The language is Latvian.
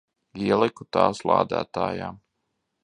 Ieliku tās lādētājā.